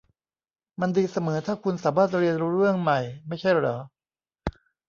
มันดีเสมอถ้าคุณสามารถเรียนรู้เรื่องใหม่ ไม่ใช่หรอ